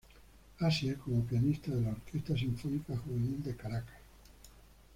Asia: Como Pianista de la Orquesta Sinfónica Juvenil de Caracas.